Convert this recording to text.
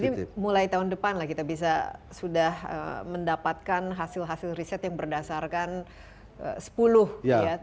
jadi mulai tahun depan lah kita bisa sudah mendapatkan hasil hasil riset yang berdasarkan sepuluh ya